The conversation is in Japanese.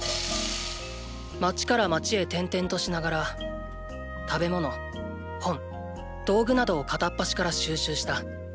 街から街へ転々としながら食べ物本道具などを片っ端から収集した。